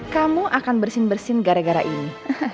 kamu akan bersin bersin gara gara ini